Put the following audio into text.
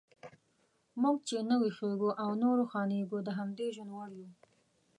موږ چې نه ویښیږو او نه روښانیږو، د همدې ژوند وړ یو.